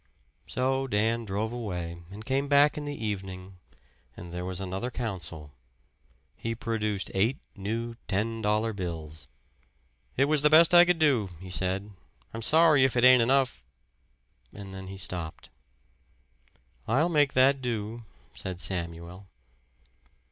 So Dan drove away and came back in the evening and there was another council; he produced eight new ten dollar bills. "It was the best I could do," he said. "I'm sorry if it ain't enough" and then he stopped. "I'll make that do," said Samuel.